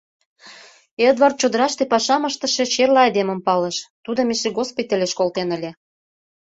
— Эдвард чодыраште пашам ыштыше черле айдемым палыш, тудым эше госпитальыш колтен ыле.